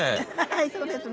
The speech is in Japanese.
そうですね。